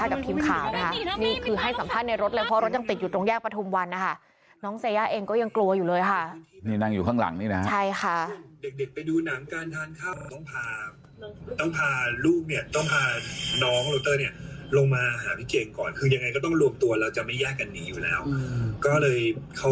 ก็เลยเขาก็เขาแบบโอเคนั่นก็แล้วแตกเลย